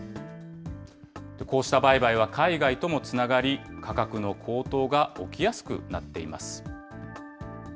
こうした売買は海外ともつながり、価格の高騰が起きやすくなっています。